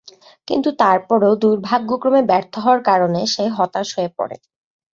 কিন্তু তারপরও দুর্ভাগ্যক্রমে ব্যর্থ হওয়ার কারণে সে হতাশ হয়ে পড়ে।